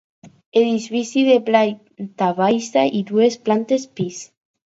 Edifici de planta baixa i dues plantes pis.